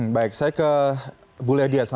baik saya ke bu ledia